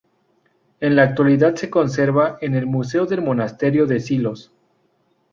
En la actualidad se conserva en el museo del monasterio de Silos.